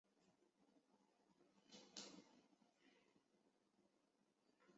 这是数论的主题列表。